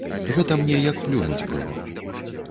Гэта мне як плюнуць было.